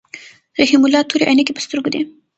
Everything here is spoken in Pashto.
رحیم الله تورې عینکی په سترګو دي.